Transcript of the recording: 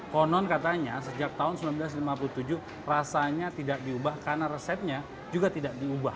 konon katanya sejak tahun seribu sembilan ratus lima puluh tujuh rasanya tidak diubah karena resepnya juga tidak diubah